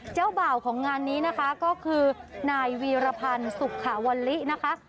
เจ้าบ่าวของงานนี้นะคะก็คือนายวีรพันธ์สุขาวัลลินะคะ